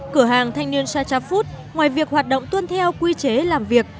cửa hàng thanh niên sacha food ngoài việc hoạt động tuân theo quy chế làm việc